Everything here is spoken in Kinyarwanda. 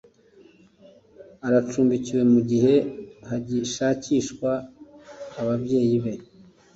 Aracumbikiwe mu gihe hagishakishwa ababyeyi be.